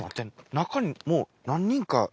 中にもう何人か。